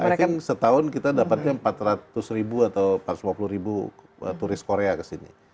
i think setahun kita dapatnya empat ratus ribu atau empat ratus lima puluh ribu turis korea kesini